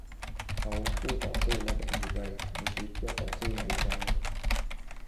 เขาผู้ต่อสู้และหลบหนีไป มีชีวิตเพื่อต่อสู้ในอีกวันหนึ่ง